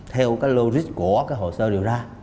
theo cái logic của cái hồ sơ điều tra